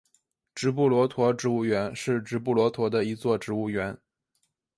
直布罗陀植物园是直布罗陀的一座植物园。